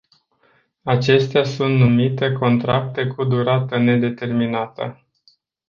Acestea sunt numite contracte cu durată nedeterminată.